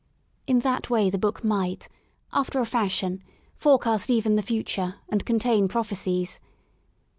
In that way the book mighty after a fashion, forecast even the Future and contain prophecies.